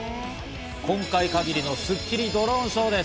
今回限りの『スッキリ』ドローンショーです。